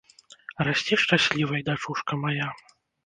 Расці шчаслівай, дачушка мая.